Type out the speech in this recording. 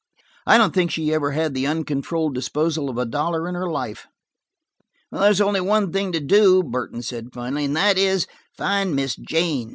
"I don't think she ever had the uncontrolled disposal of a dollar in her life." "There's only one thing to do," Burton said finally, "and that is, find Miss Jane.